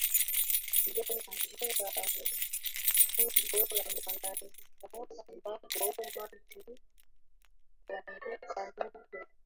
del Angel anguko la malaikaambako maji huanguka Mto